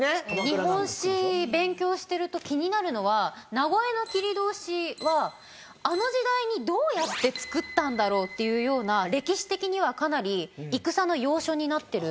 日本史勉強してると気になるのは名越切通はあの時代にどうやって造ったんだろう？っていうような歴史的にはかなり戦の要所になっているので。